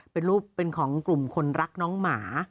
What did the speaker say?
เป็นรูปเป็นของกลุ่มคนรักน้องหมา